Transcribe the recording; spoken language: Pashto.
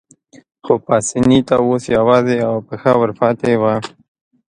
خو پاسیني ته اوس یوازې یوه پښه ورپاتې وه.